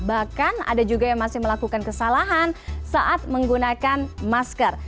bahkan ada juga yang masih melakukan kesalahan saat menggunakan masker